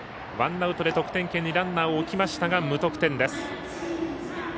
ワンアウトで得点圏にランナーを置きましたが無得点です。